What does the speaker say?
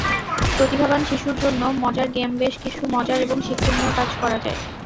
প্রতিভাবান শিশুর জন্য মজার গেমবেশ কিছু মজার এবং শিক্ষণীয় কাজ করা যায়।